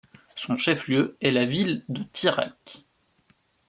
Son chef-lieu est la ville de Tiraque.